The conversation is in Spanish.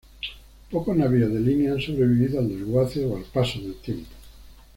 Pocos navíos de línea han sobrevivido al desguace o al paso del tiempo.